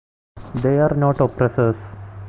They are not oppressors.